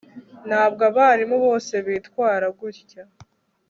Ntabwo abarimu bose bitwara gutya